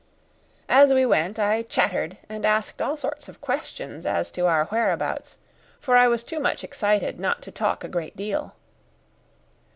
As we went I chattered and asked all sorts of questions as to our whereabouts, for I was too much excited not to talk a great deal.